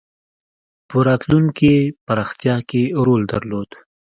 په راتلونکې پراختیا کې رول درلود.